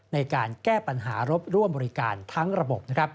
ในการแก้ปัญหารถร่วมบริการทั้งระบบ